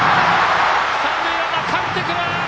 三塁ランナー、かえってくる！